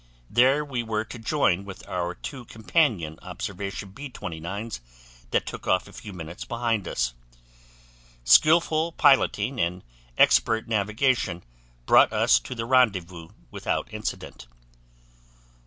There we were to join with our two companion observation B 29's that took off a few minutes behind us. Skillful piloting and expert navigation brought us to the rendezvous without incident.